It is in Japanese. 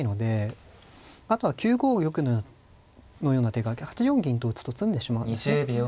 あとは９五玉のような手が８四銀と打つと詰んでしまうんですね。